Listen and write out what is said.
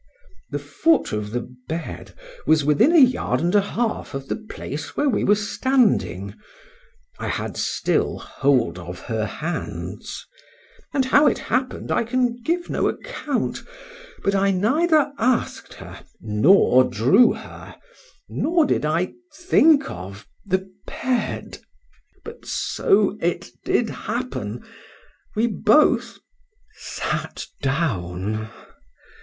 The foot of the bed was within a yard and a half of the place where we were standing.—I had still hold of her hands—and how it happened I can give no account; but I neither ask'd her—nor drew her—nor did I think of the bed;—but so it did happen, we both sat down.